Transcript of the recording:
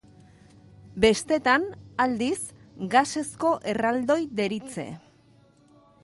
Bestetan, aldiz, gasezko erraldoi deritze.